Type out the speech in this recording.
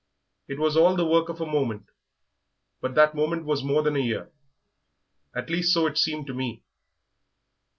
It was all the work of a moment, but that moment was more than a year at least, so it seemed to me.